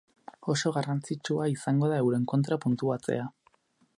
Oso garrantzitsua izango da euren kontra puntuatzea.